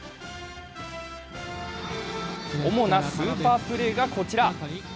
主なスーパープレーがこちら。